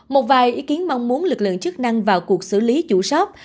một vài ý kiến mong muốn lực lượng chức năng vào cuộc xử lý chủ sót